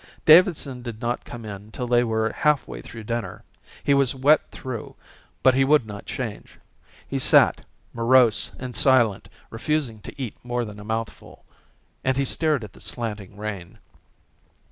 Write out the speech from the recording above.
Davidson did not come in till they were half way through dinner. He was wet through, but he would not change. He sat, morose and silent, refusing to eat more than a mouthful, and he stared at the slanting rain.